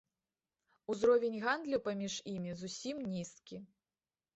Узровень гандлю паміж імі зусім нізкі.